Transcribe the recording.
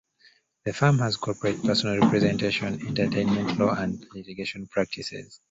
The firm has corporate, personal representation, entertainment law, and litigation practices.